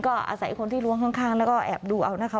ก็อาศัยคนที่ล้วงข้างแล้วก็แอบดูเอานะคะ